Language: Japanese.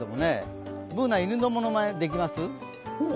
Ｂｏｏｎａ、犬のものまね、できます？